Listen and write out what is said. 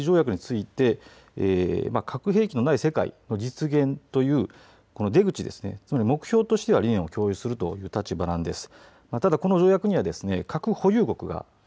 まず、日本政府はですね核兵器禁止条約について核兵器のない世界の実現という出口ですね、つまり目標としての理念を共有するという立場なんです。